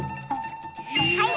はい！